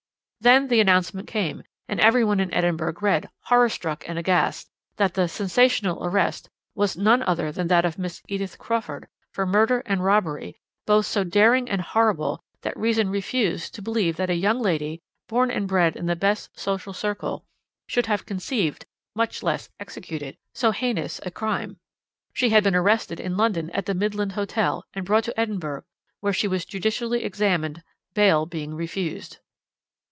"Then the announcement came, and every one in Edinburgh read, horror struck and aghast, that the 'sensational arrest' was none other than that of Miss Edith Crawford, for murder and robbery, both so daring and horrible that reason refused to believe that a young lady, born and bred in the best social circle, could have conceived, much less executed, so heinous a crime. She had been arrested in London at the Midland Hotel, and brought to Edinburgh, where she was judicially examined, bail being refused."